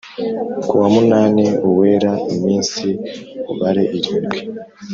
Kuwa munani Uwera iminsi ubare irindwi